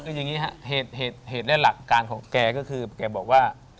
คืออย่างนี้ครับเหตุและหลักการของแกก็คือแกบอกว่า